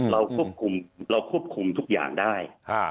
เราควบคุมทุกอย่างได้